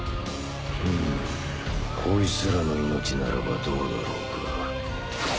ふむコイツらの命ならばどうだろうか。